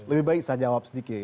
lebih baik saya jawab sedikit